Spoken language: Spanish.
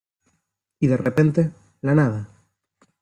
y, de repente , la nada